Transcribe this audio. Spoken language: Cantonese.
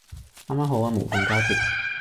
啱啱好啊無縫交接